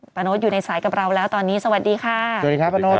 โน้ตอยู่ในสายกับเราแล้วตอนนี้สวัสดีค่ะสวัสดีครับป้าโน๊ต